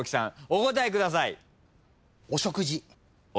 お答えください。